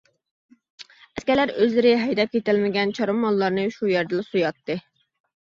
ئەسكەرلەر ئۆزلىرى ھەيدەپ كېتەلمىگەن چارۋا ماللارنى شۇ يەردىلا سوياتتى.